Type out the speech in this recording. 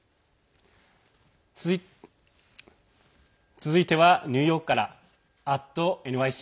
続いては、ニューヨークから「＠ｎｙｃ」。